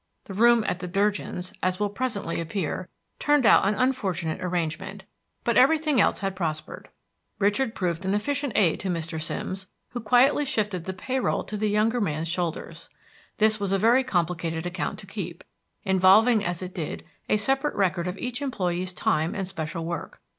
The room at the Durgins, as will presently appear, turned out an unfortunate arrangement; but everything else had prospered. Richard proved an efficient aid to Mr. Simms, who quietly shifted the pay roll to the younger man's shoulders. This was a very complicated account to keep, involving as it did a separate record of each employee's time and special work.